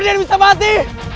radian bisa mati